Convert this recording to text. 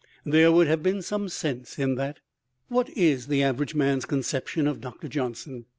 There would have been some sense in that. What is the average man's conception of Doctor Johnson?